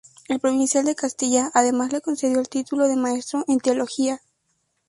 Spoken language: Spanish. El provincial de Castilla, además, le concedió el título de maestro en Teología.